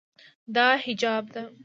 دا حجاب ده.